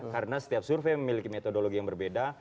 karena setiap survei memiliki metodologi yang berbeda